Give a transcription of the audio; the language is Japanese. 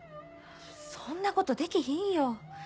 そんなことできひんよ！